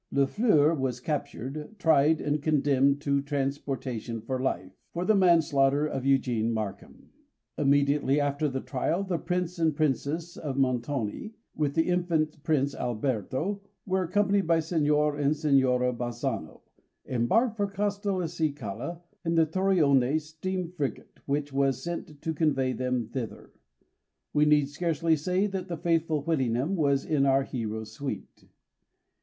Lafleur was captured, tried, and condemned to transportation for life, for the manslaughter of Eugene Markham. Immediately after the trial the Prince and Princess of Montoni, with the infant Prince Alberto, and accompanied by Signor and Signora Bazzano, embarked for Castelcicala in the Torione steam frigate which was sent to convey them thither. We need scarcely say that the faithful Whittingham was in our hero's suite.